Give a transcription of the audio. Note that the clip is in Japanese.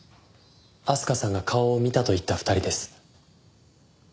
明日香さんが顔を見たと言った２人です。